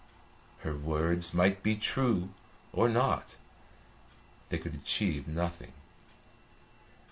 Her words might be true or not, they could achieve nothing.